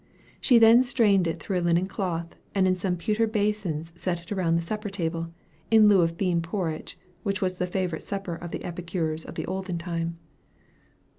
She then strained it through a linen cloth, and in some pewter basins set it around the supper table, in lieu of bean porridge, which was the favorite supper of the epicures of the olden time.